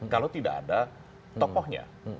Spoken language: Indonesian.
kalau tidak ada tokohnya